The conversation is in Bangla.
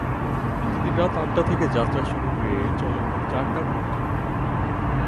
প্রতিদিন রাত আটটা থেকে যাত্রা শুরু হয়ে চলে ভোর চারটা পর্যন্ত।